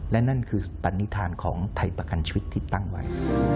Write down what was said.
และนั่นคือปันนิษฐานของไทยประกันชีวิตที่ตั้งไว้